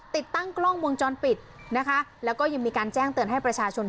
ติดตั้งกล้องวงจรปิดนะคะแล้วก็ยังมีการแจ้งเตือนให้ประชาชน